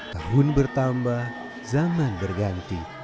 tahun bertambah zaman berganti